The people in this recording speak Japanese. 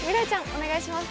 お願いします。